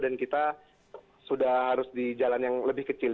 dan kita sudah harus di jalan yang lebih kecil